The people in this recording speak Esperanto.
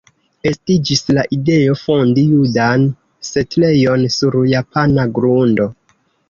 Estiĝis la ideo fondi judan setlejon sur japana grundo.